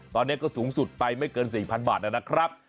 ตอนนี้ก็สูงสุดไปไม่เกิน๔๐๐บาทนะครับ